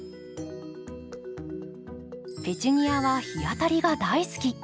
ペチュニアは日当たりが大好き。